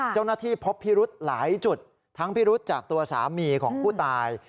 เจ้าหน้าที่พบพิรุธหลายจุดทั้งพิรุษจากตัวสามีของผู้ตาย